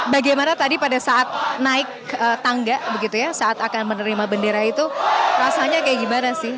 bagaimana tadi pada saat naik tangga begitu ya saat akan menerima bendera itu rasanya kayak gimana sih